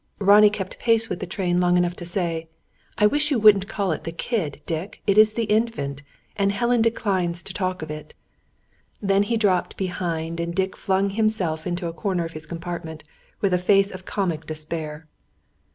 Ronnie kept pace with the train long enough to say: "I wish you wouldn't call it the 'kid,' Dick; it is the 'Infant.' And Helen declines to talk of it." Then he dropped behind, and Dick flung himself into a corner of his compartment, with a face of comic despair.